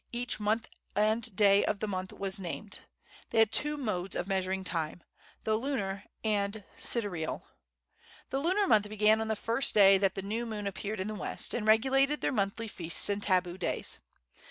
Each month and day of the month was named. They had two modes of measuring time the lunar and sidereal. The lunar month began on the first day that the new moon appeared in the west, and regulated their monthly feasts and tabu days.